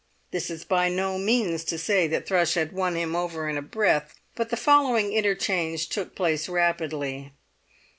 This is by no means to say that Thrush had won him over in a breath. But the following interchange took place rapidly.